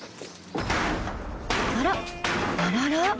あらあらら。